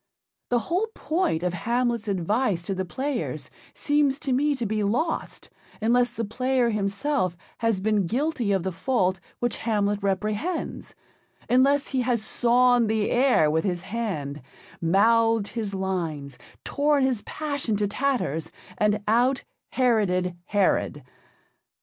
The whole point of Hamlet's advice to the players seems to me to be lost unless the Player himself has been guilty of the fault which Hamlet reprehends, unless he has sawn the air with his hand, mouthed his lines, torn his passion to tatters, and out Heroded Herod.